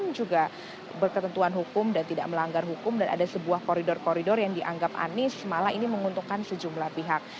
juga berketentuan hukum dan tidak melanggar hukum dan ada sebuah koridor koridor yang dianggap anies malah ini menguntungkan sejumlah pihak